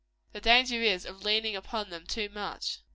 The danger is, of leaning upon them too much.